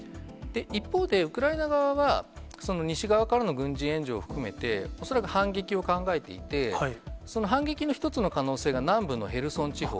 一方で、ウクライナ側は西側からの軍事援助を含めて、恐らく反撃を考えていて、その反撃の一つの可能性が、南部のヘルソン地方。